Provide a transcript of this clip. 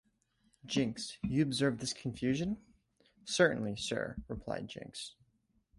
'Jinks, you observe this confusion?’ ‘Certainly, Sir,’ replied Jinks.